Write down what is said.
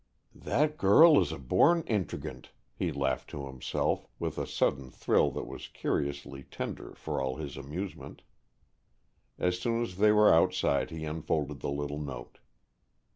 "That girl is a born intriguante," he laughed to himself, with a sudden thrill that was curiously tender, for all his amusement. As soon as they were outside he unfolded the little note.